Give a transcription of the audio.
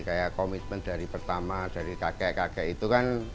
kayak komitmen dari pertama dari kakek kakek itu kan